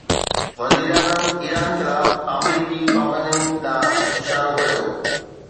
وزيراعظم ايران خلاف آمريڪي پابندين ڏانهن اشارو ڪيو